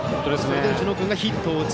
打野君がヒットを打つ。